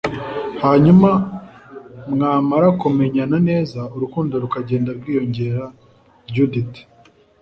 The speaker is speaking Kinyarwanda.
Hanyuma mwamara kumenyana neza urukundo rukagenda rwiyongera Judith